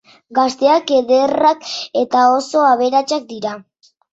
Gazteak, ederrak eta oso abertasak dira.